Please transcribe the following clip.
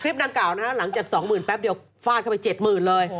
คลิปนางกล่าวนะฮะหลังจากสองหมื่นแป๊บเดียวฟาดเข้าไปเจ็ดหมื่นเลย